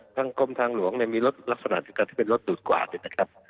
ทางกรมทางหลวงมีลักษณะที่เป็นรถดูดกวาดนะครับ